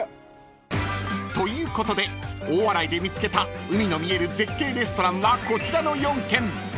［ということで大洗で見つけた海の見える絶景レストランはこちらの４軒］